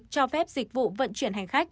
cho phép dịch vụ vận chuyển hành khách